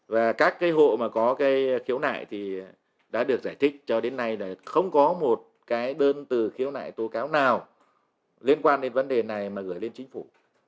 và các cái hộ mà có cái khiếu nại thì đã được giải thích cho đến nay là không có một cái đơn từ khiếu nại tố cáo nào liên quan đến vấn đề này mà gửi lên chính phủ